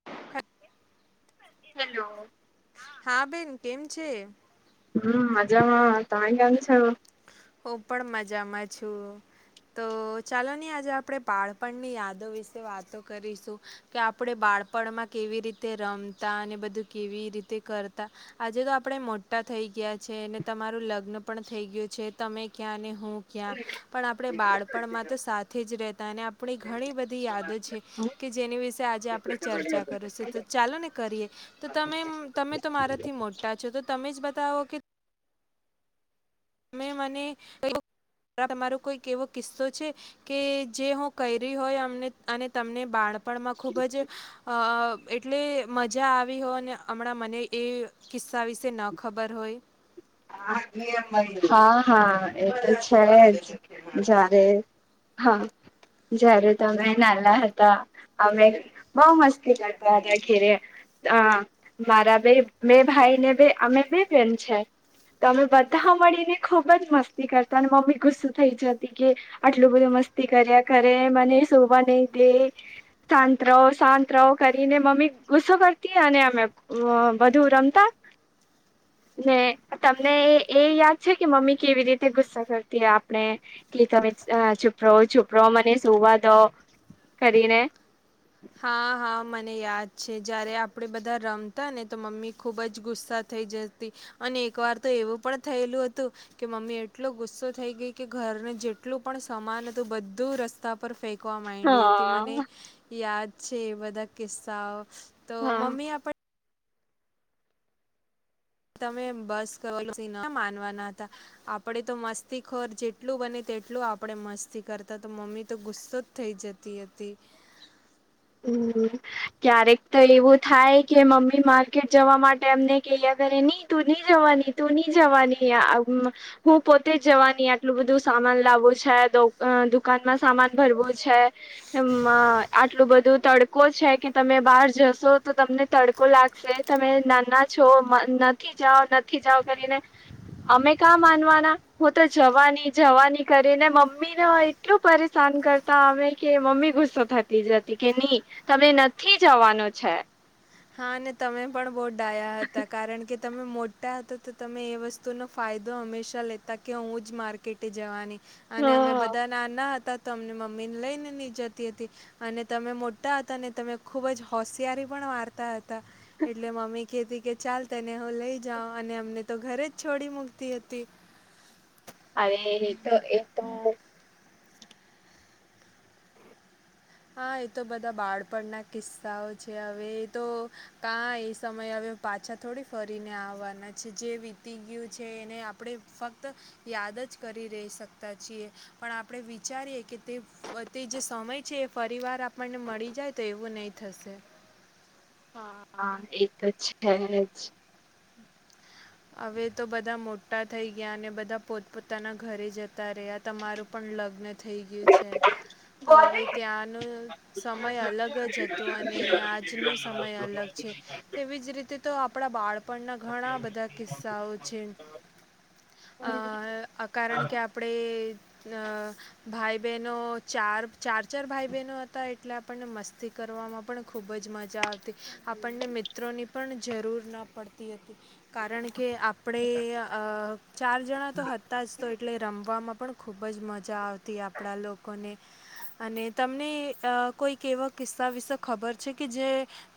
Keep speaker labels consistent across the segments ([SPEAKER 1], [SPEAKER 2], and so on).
[SPEAKER 1] [unintelligible]
[SPEAKER 2] Hello.
[SPEAKER 1] હા બેન કેમ છે.
[SPEAKER 2] હમ મજામાં તમે કેમ છો.
[SPEAKER 1] હું પણ મજામાં છું. તો ચાલોની આજે આપણે બાળપણની યાદો વિશે વાતો કરીશું કે આપણે બા બાળપણમાં કેવી રીતે રમતા અને બધું કેવી રીતે કરતા આજે તો આપણે મોટા થ થઈ ગીયા છે તમારું લગ્ન પણ થઈ ગયું છે તમે ક્યાં ને હું ક્યાં પણ આપ આપણે બાળપણમાં તો સાથે જ રહેતા અને આપણી ઘણી બધી યાદો છે કે જેની વિશે આજે આપ આપણે ચર્ચા કરશું તો ચાલો ને કરીએ. તો તમે તમે તો મારાથી મોટા છો તો તમે જ બતાવો કે તમે મને તમારો કોઈક એવો કિસ્સો છે કે જે હું કયરી હોય અને તમને બાળ બાળપણમાં ખૂબ જ અ એટલે મજા આવી હો ને અમણાં મને એ કિસ્સા વિશે ન ખબર હોય?
[SPEAKER 2] હા હા, એ તો છે જ જ્યારે હા જ્યારે તમે નાલા હતા અમે બહું મસ્તી કરતા હતા ઘેરે. હ મારા બે બે ભાઈ ને બે અમે બે બેન છે. તો અમે બધા મળીને ખુબ જ મસ્તી કરતા અને મમ્મી ગુસ્સો થઈ જતી કે આટલું બધું મસ્તી કર્યા કરે મને શોવા નહી દે, શાંત રહો, શાંત રહો કરીને મમ્મી ગુસ્સો કરતી અને અમે બધુ રમતા ને તમને એ યાદ છે કે, મમ્મી કેવી રીતે ગુસ્સો કરતી આપણે કે તમે ચૂપ રહો ચૂપ રહો મને સુવા દો કરીને.
[SPEAKER 1] હા હા, મને યાદ છે જયારે આપડે બધા રમતા ને તો મમ્મી ખુબ જ ગુસ્સા થઈ જતી અને એક વાર તો એવું પણ થયેલું હતું કે, મમ્મી એટલો ગુસ્સો થઈ ગઈ કે ઘર ને પણ સમાન હતું બધું રસ્તા પર ફેંકવા માંયડી હતી મને
[SPEAKER 2] હા.
[SPEAKER 1] યાદ છે એ બધા કિસ્સાઓ તો
[SPEAKER 2] હા
[SPEAKER 1] મમ્મી આપડ તમે બસ કરો. ક્યાં માનવાના હતા આપડે તો મસ્તી ખોર જેટલું બને તે તેટલું આપણેે મસ્તી કરતા તો મમ્મી તો ગુસ્સો જ થઈ જતી હતી.
[SPEAKER 2] [inaudible] હમ ક્યારેક તો એવું થાય કે મમ્મી માર્કેટ જવા માટે એમને કેયા કરે ની તું નહીં જવા તું નહી જવાની હું પોતે જ જવાની આટલું બધું સામાન લાવું છે. દુકાનમાં સામાન ભરવું છે આટલું બધું. બધું તડકો છે કે તમે બહાર જશો તો તમને તડકો લાગશે તમે નાના છો. નથી જાઓ નથી જાઓ કરીને. અમે કા માનવાના હું તો જવાની જવાની કરીને મમ્મી ને એટલું પરેશાન. કરતા અમે કે મમ્મી ગુસ્સો થતી જતી. કે નહી તમે નથી જવાનું છે.
[SPEAKER 1] હા અને તમે પણ બહુ ડાયા હતા કારણ કે. તમે મોટા હતા તો તમે એ વસ્તુનો ફાયદો હંમેશા લેતા કે હું જ માર્કેટે જવાની. અને અમે
[SPEAKER 2] હા.
[SPEAKER 1] બધા નાના હતા. તમને મમ્મી ને લઈને નહી જતી હતી અને તમે મોટા હતા અને તમે ખુબ જ હોશિયારી પણ. મારતા હતા એટલે મમ્મી કેતી. કે ચાલ તને હું લઈ જાઉ અને અમને તો ઘરે જ છોડી મૂકતી હતી.
[SPEAKER 2] અરે એ તો એક તો મુ.
[SPEAKER 1] હા એ તો બધા બાળપણના કિસ્સાઓ છે હવે એ તો કાય એ સમય હવે. પાછા થોડી ફરીને આવવાના છે જે વીતી ગયું છે એને આપણે ફક્ત યાદ. જ કરી રહી શકતા છીએ પણ આપણે વિચારીએ કે તે તે જે સમય છે.. ફરીવાર આપણને મળી જાય તો એવું નહીં થશે.
[SPEAKER 2] હા હા એ તો છેજ.
[SPEAKER 1] હવે તો બધા મોટા થઈ ગયા અને બધા પોતપોતાના ઘરે જતા. જતા રહ્યા તમારું પણ લગ્ન થઈ ગયું છે. તો હવે ત્યાંનો સમય અલગ જ હતો અને આજનો સમય અલગ છે. તેવી જ રીતે તો આપણા બાળપણના ઘણા બધા. કિસ્સાઓ છે આ કારણ કે આપણે. અ ભાઈ બહેનો ચાર ચાર ચાર ભાઈ બહેનો હતા એટલે આપણને મસ્તી કર. કરવામાં પણ ખૂબ જ મજા આવતી આપણને મિત્રોની પણ જરૂર ના પડતી હતી. કારણ કે‌ અ આપણે ચાર જણા તો હતા જ તો એટલે રમવામાં પણ ખૂબ જ મજા આવતી આપણા લોકોને અને તમને અ કોઈક એવા કિસ્સા વિશે ખબર છે કે જે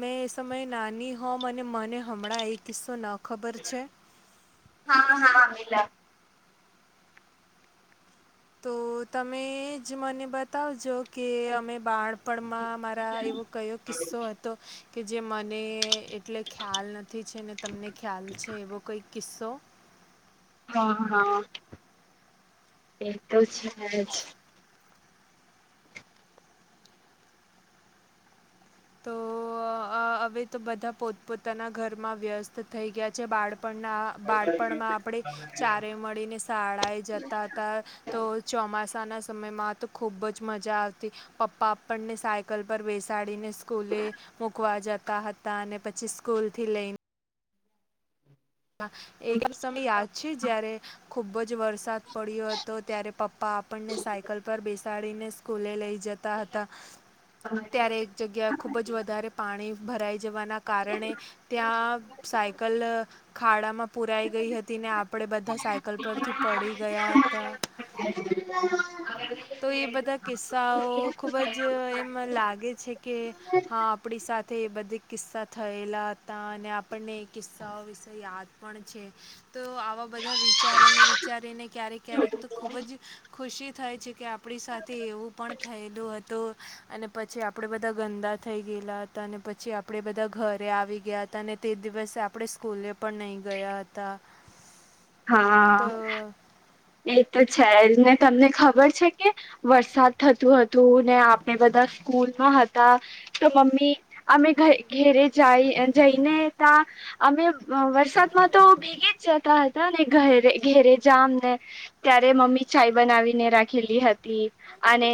[SPEAKER 1] મેં એ સમયે નાની હોમ અને મને હમણાં એ કિસ્સો ન ખબર છે
[SPEAKER 2] હા હા હાલા
[SPEAKER 1] તો તમે જ મને બતાવજો કે અમે બાણપણમાં મારા એવો કયો કિસ્સો હતો. કે જે મને એટલે ખ્યાલ નથી છે ને તમને ખ્યાલ છે એવો કંઈક કિસ્સો
[SPEAKER 2] હા હા તે તો છે જ
[SPEAKER 1] તો અવે તો બધા પોતપોતાના ઘરમાં વ્યસ્ત થઈ ગયા છે બાળ આપના બાળપણમાં આપણે ચારે મળીને શાળાએ જતા હતા તો ચોમાસા સાના સમયમાં તો ખૂબ જ મજા આવતી પપ્પા આપણને સાયકલ પર બેસાડીને સ્કૂલે મૂકવા જતા હતા અને પછી સ્કૂલ થી લઈ એકમ સમય યાદ છે જય્યારે ખૂબ જ વરસાદ પડ્યો હતો ત્યારે પપ્પા આપણને સાયકલ પર બેસાડીને સકુલે લઈ જતા હતા ત્યારે એક જગ્યા ખુબ જ વધારે પાણી ભરાય જવાના કારણે ત્યાં સાયકલ ખાડામાં પુરાઈ ગઈ હતી ને આપણે બધા સાયકલ પરથી પડી ગયા હતા.
[SPEAKER 2] [unintelligible]
[SPEAKER 1] તો એ બધા કિસ્સાઓ ખુબ જ એમ લાગે છે કે હા આપણી સા થે બધા કિસ્સા થયેલા હતા અને આપણને એ કિસ્સાઓ વિશે યાદ પણ છે. તો આવા બધા વિચારોને વિચારીને ક્યારેક ક્યારેક તો ખૂબ જ ખુશી થાય છે કે આપ આપણી સાથે એવું પણ થયેલું હતું. અને પછી આપડે બધા ગંદા થઈ ગયેલા હતા અને પછી આપડે બધા ઘરે આવી ગયા હતા અને તે દિવસે આપણે સ્કૂલે પણ નહીં ગયા હતા.
[SPEAKER 2] હા
[SPEAKER 1] તો
[SPEAKER 2] એ તો છે જ ને તમને ખબર છે કે વરસાદ થતું હતું ને આપણે બધા સ્કૂલમાં હતા તો મમ્મી અમે ઘેરે જાય જઈને ત્યા અમે વરસાદમાં તો ભેગી જ જતા હતા ને ઘરે ઘેરે જામ ને ત્યારે મમ્મી ચાય બનાવીને રાખેલી હતી અને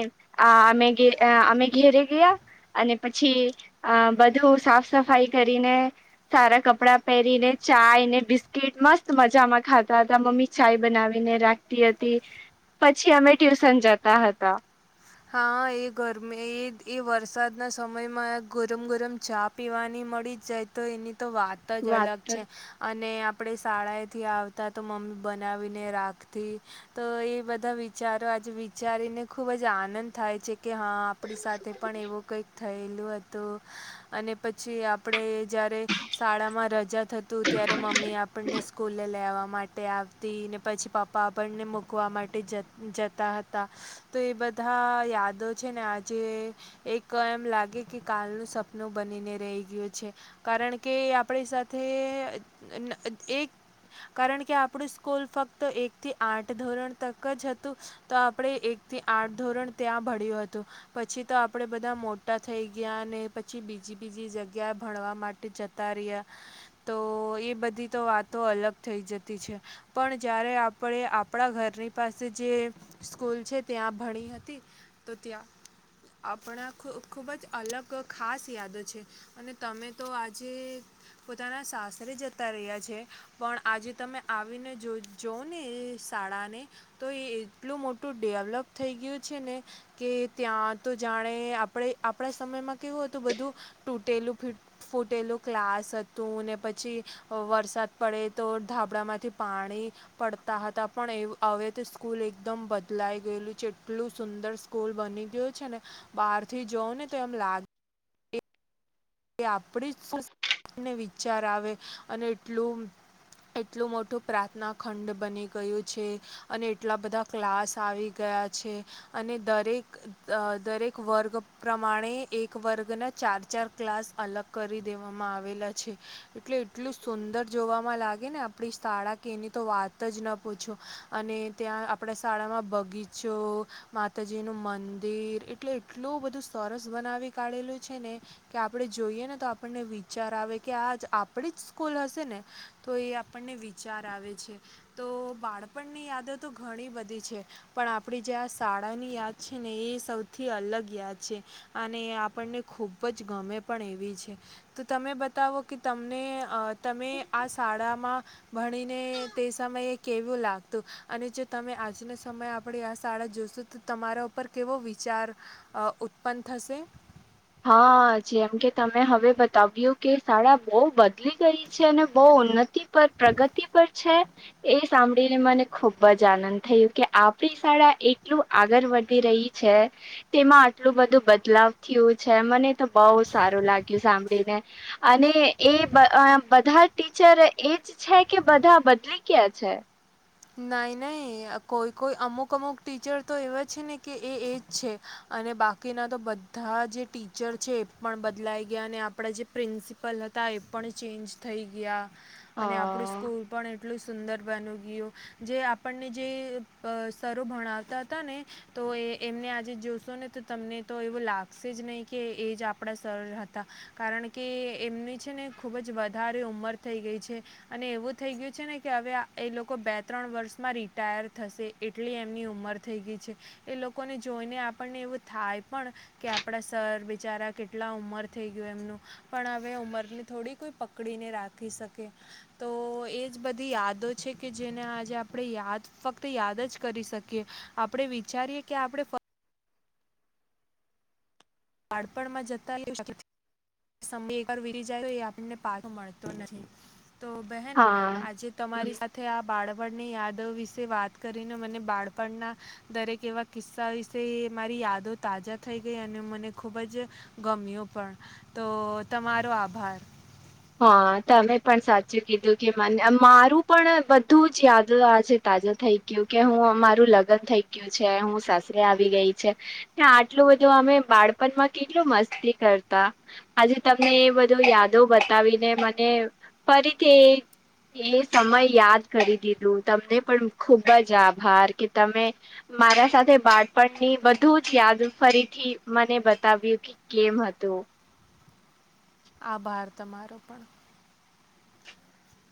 [SPEAKER 2] અમે અમે ઘેરે ગયા. અને પછી અ બધું સાફ સફાઈ કરીને સારા કપડા પહેરીને ચાય ને બિસ્કીિટ મસ્ત મજામાં ખાતા હતા મમ્મી ચાય બનાવી રાખતી હતી પછી અમે ટ્યુશન જતા હતા.
[SPEAKER 1] હા એ ગરમી એ એ વરસાદના સમયમાં ગરમ ગરમ ચા પીવાની મળી જાય તો એની તો વાત જ અલગ છે અ ને આપણે શાળાએથી આવતા તો મમ્મી બનાવીને રાખતી તો એ બધા વિચાર ચારો આજે વિચારીને ખૂબ જ આનંદ થાય છે કે હા આપણી સાથે પણ એવું કંઈક થયેલું હતું અને પછી આપણે જ્યારે શાળામાં રજા થતું ત્યારે મમ્મી આપણને સ્કૂલે લેવામાં માટે આવતી ને પછી પપ્પા આપને મૂકવા માટે જતા હતા તો એ બધા બધા યાદો છે ને આજે એક એમ લાગે કે કાલનું સપનું બનીને રહી રહી ગયો છે કારણ કે આપણી સાથે એક કારણ કે આપણું સ્કૂલ ફક્ત એક થી આઠ ધોરણ તક જ હતું તો આપણે તે આ ધોરણ ત્યાં ભળ્યું હતું પછી તો આપણે બધા મોટા થઈ ગયા અને પછી બીજી બીજી જગ્યા ભણવા માટે જતા રહ્યા તો એ બધી તો વાતો અલગ થઈ જતી પણ જ્યારે આપણે આપણા ઘરની પાસે જે સ્કૂલ છે ત્યાં ભણી હતી તો ત્યાં આપણા ખૂબ જ અલગ ખાસ યાદો છે અને તમે તો આજે પોતાના સાસરે જતા રહ્યા છે પણ આજે તમે આવીને જોઓ ને શાળાને તો એ એટલું મોટું ડેવલપ. થઈ ગયું છે ને કે ત્યાં તો જાણે આપણે આપણા સમયમાં કેવું હતું બધું. તૂટેલું ફૂટેલું ક્લાસ હતું ને પછી વરસાદ પડે તો થાબડામાંથી પાણી પડતા હતા. પણ એ હવે તો સ્કૂલ એકદમ બદલાઈ ગયેલું. જેટલું સુંદર સ્કૂલ બની ગયું છે ને બહાર થી જવ ને તો એમ લાગે. એ આપણી જને વિચાર આવે અને એટલું. એટલું મોટું પ્રાર્થના ખંડ બની ગયું છે. અને એટલા બધા ક્લાસ આવી ગયા. છે. અને દરેક દરેક વર્ગ પ્રમાણે એક વર્ગના ચાર ચાર. ક્લાસ અલગ કરી દેવામાં આવેલા છે. એટલે એટલું સુંદર જોવાવામાં લાગે ને આપડી. શાળા કની તો વાત જ ન પૂછો અને ત્યાં આપણા શાળામાં બગીચો. માતાજી નું મંદિર એટલ એટલું બધું સરસ બનાવી કાઢેલું છે ને. કે આપણે જોઈએ ને તો આપણને વિચાર આવે કે આજ આપણી જ સ્કૂલ હશે ને તો એ આપ. વિચાર આવે છે. તો બાળપણની યાદો તો ઘણી બધી છે પણ આપણે જ્યાં. આ શાળાની યાદ છે. ને એ સૌથી અલગ યાદ છે અને આપણને ખૂબ. જ ગમે પણ એવી છે તો તમે બતાવો કે તમને. તમે આ શાળામાં. ભણીને તે સમયે કેવું લાગતું અને જો તમે આજના સમયે આપણી આ શાળા જો. તમારા ઉપર કેવો વિચાર ઉત્પન્ન થશે.
[SPEAKER 2] હા જેમ કે તમે હવે બતાવ્યું કે શાળા બહુ બદલી ગઈ છે. અને બહુ ઉન્નત. પર પ્રગતિ પર છે. એ સાંભળીને મને ખુબ જ આનંદ થયયો કે આપણી શાળા એટલું આગળ વધી રહી. તેમાં આટલું બધું બદલાવ થયું. છે મને તો બહ સારું લાગ્યું સાંભળીને અને એ બધા ટી ચર એજ છે કે બધા બદલી ગયા છે.
[SPEAKER 1] નાઈ નહી કોઈ કોઈ અમુક અમુક ટીચર તો એવા છે ને કે એ એજ છે. અને બાકીના તો બધા જે ટીચર છે એ પણ બદલાઈ ગયા અને આપણે જે પ્રિન્સિપલ હતા. ના એપણ ચેન્જ થઈ ગયા. અને આપણું
[SPEAKER 2] હા
[SPEAKER 1] સ્કૂલ પણ એટલું સુંદર બની ગયું. જે આપણને જે શરો ભણાવતા હતા ને તો એ એમને આજે જોશ‌ તમને એવું લાગશે જ નહી કે એ આપણા સર હતા કારણ કે એમની છે, ને ખુબ જ વધારે ઉંમર થઈ ગઈ છે, અને એવું થઈ ગયું છે ને કે હવે એ લોકો બે ત્રણ વર્ષમાં રિટાયર થશે. એટલી એમની ઉંમર થઈ ગઈ છે. એ લોકોને જોઈને આપણને થાય પણ કે આપણા સર બિચારા કેટલા ઉંમર થઈ ગય એમનું પણ હવે ઉંમર થોડી કોઈ પકડીને રાખી શકે તો એ જ બધી યાદો છે કે જેને આ જે આપણે યાદ ફક્ત યાદ જ કરી શકીએ. આપણે વિચારીએ કે આપણે બાળપણમાં જતા એ સમય એકવાર વીતી જાય તો એ આપણને પાછો મળતો નથી. તો બહેન
[SPEAKER 2] હા
[SPEAKER 1] આજે તમારી સાથે આ બાળક ની યાદો વિશે વાત કરીને મને બાળપણના દરેક એવા કિસ્સા વિશે મારી યાદો તાજા થઈ ગઈ અને મને ખૂબ જ ગમ્યું પણ તો તમારો આભાર.
[SPEAKER 2] હા તમે પણ સાચું કીધું કે મને મારું પણ બધું જ યાદ આજે તા તાજુ થઈ ગયું કે હું અરું લગ્ન થઈ ગયું છે હું સાસરે આવી ગઈ છે આટલું તોઅમે બાળપણમાં કેટલું મસ્તી કરતા. આજે તમને એ બધો યાદો બતાવી. બતાવીને મને ફરીથી એ સમય યાદ કરી દીધું તમને પણ ખુબ જ આભાર કે તમે મારા સાથે બાળપણની બધું જ યાદ ફરીથી મને બતાવ્યું કે કેમ હતું. તો.
[SPEAKER 1] આભાર તમારો પણ.